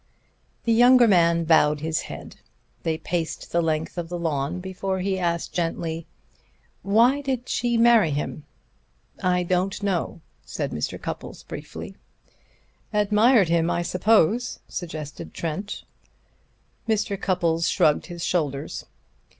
The younger man bowed his head. They paced the length of the lawn before he asked gently: "Why did she marry him?" "I don't know," said Mr. Cupples briefly. "Admired him, I suppose," suggested Trent. Mr. Cupples shrugged his shoulders.